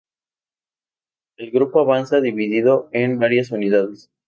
El grupo avanzaba dividido en varias unidades.